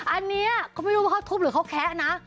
อันนี้เขาไม่รู้ภายนี้ว่าเขาทุบหรือเขาแคร้นะ